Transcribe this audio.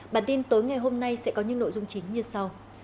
bản tin tối ngày hôm nay sẽ có những nội dung chính như sau